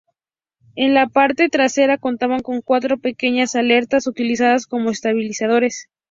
En la parte trasera contaba con cuatro pequeñas aletas utilizadas como estabilizadores.